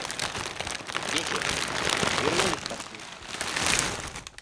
Дети, вернулись ко сну.